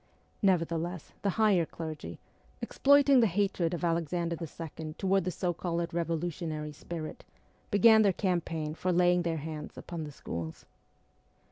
Nevertheless the higher clergy, exploiting the hatred of Alexander II. toward the so called revo lutionary spirit, began their campaign for laying their hands upon the schools.